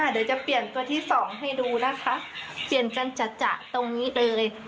เดี๋ยวจะเปลี่ยนตัวที่สองให้ดูนะคะเปลี่ยนกันจัดตรงนี้เลย